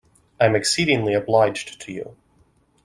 I am exceedingly obliged to you.